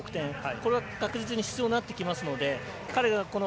これは確実に必要になってきますので彼が